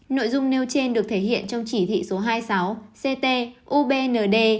nội dung nêu trên được thể hiện trong chỉ thị số hai mươi sáu ct ubnd